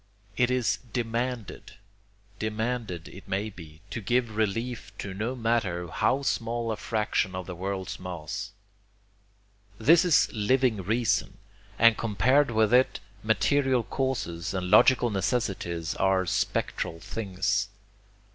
It is DEMANDED, demanded, it may be, to give relief to no matter how small a fraction of the world's mass. This is living reason, and compared with it material causes and logical necessities are spectral things.